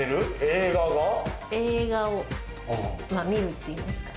映画をまぁ見るっていいますか。